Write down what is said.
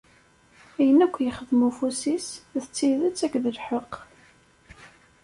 Ayen akk yexdem ufus-is, d tidet akked lḥeqq.